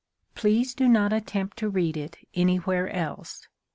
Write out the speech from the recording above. Please do not attempt to read it anywhere else.